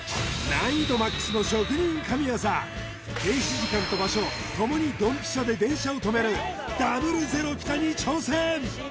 難易度ＭＡＸの職人神業停止時間と場所共にドンピシャで電車を止めるに挑戦！